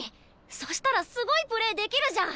そしたらすごいプレーできるじゃん。